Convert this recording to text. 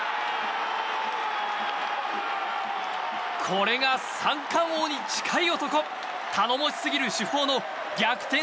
これが三冠王に近い男頼もしすぎる主砲の逆転